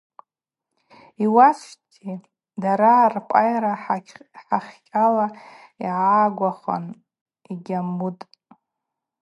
Йуасхӏвитӏи, дара рпӏайра хӏахькӏьала йгӏагвахуан – йгьамуытӏ.